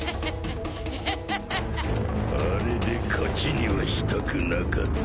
あれで勝ちにはしたくなかった。